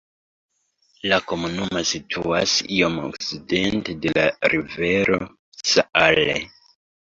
La komunumo situas iom okcidente de la rivero Saale.